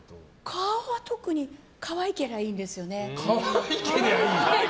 顔は特に可愛けりゃいいんですよね。